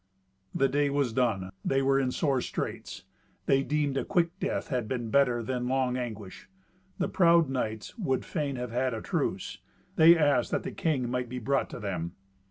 The day was done; they were in sore straits. They deemed a quick death had been better than long anguish. The proud knights would fain have had a truce. They asked that the king might be brought to them.